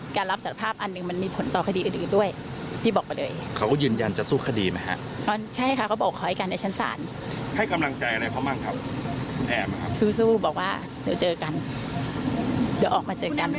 คุณไม่ให้กำลังใจพี่พัฒน์บ้างไหมคะในการทำคดีของเขา